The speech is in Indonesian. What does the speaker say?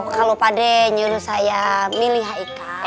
kalau pak de nyuruh saya milih haikal